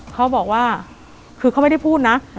เขาบอกว่าคือเขาไม่ได้พูดนะ